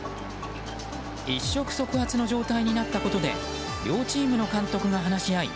一触即発の状態になったことで両チームの監督が話し合い